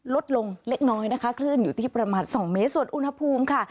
ลดลงเล็กน้อยนะคะคลื่นอยู่ที่ประมาณสองเมตรส่วนอุณหภูมิค่ะ